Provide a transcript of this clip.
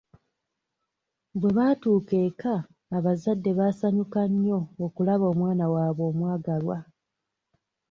Bwe baatuuka eka abazadde baasanyuka nnyo okulaba omwana waabwe omwagalwa.